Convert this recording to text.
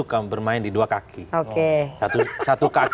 karena gimana itu satu kaki